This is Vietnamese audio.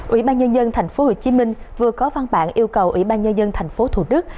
ủy ban nhân dân tp hcm vừa có văn bản yêu cầu ủy ban nhân dân tp thủ đức